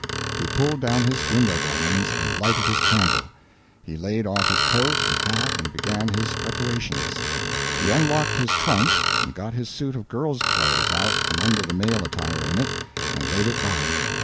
He pulled down his window blinds and lighted his candle. He laid off his coat and hat and began his preparations. He unlocked his trunk and got his suit of girl's clothes out from under the male attire in it, and laid it by.